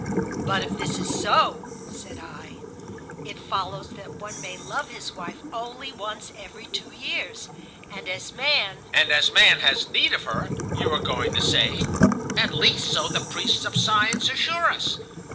"But if this is so," said I, "it follows that one may love his wife only once every two years; and as man" ... "And as man has need of her, you are going to say. At least, so the priests of science assure us.